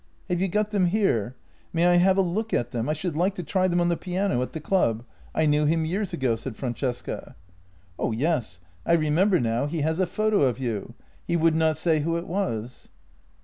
"Have you got them here? May I have a look at them? I should like to try them on the piano at the club. I knew him years ago," said Francesca. JENNY 71 " Oh yes. I remember now, he has a photo of you. He would not say who it was."